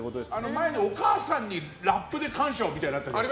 前のお母さんにラップで感謝をってあったじゃない。